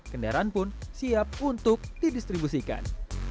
kendaraan pun siap untuk didistribusikan